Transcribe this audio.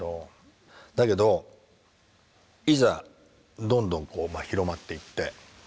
だけどいざどんどんこう広まっていって。